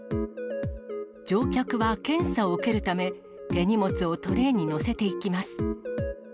乗客は検査を受けるため、手荷物をトレーに載せていきます。